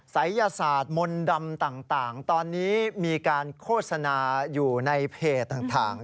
ศัยยศาสตร์มนต์ดำต่างตอนนี้มีการโฆษณาอยู่ในเพจต่าง